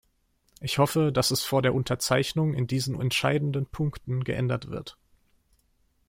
Ich hoffe, dass es vor der Unterzeichnung in diesen entscheidenden Punkten geändert wird.